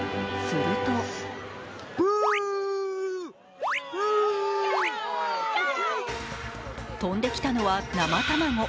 すると飛んできたのは生卵。